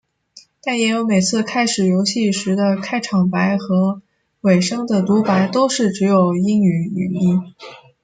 但也有每次开始游戏时的开场白和尾声的读白都是只有英语语音。